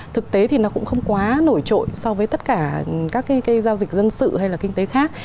thực tế thì nó cũng không quá nổi trội so với tất cả các cái giao dịch dân sự hay là kinh tế khác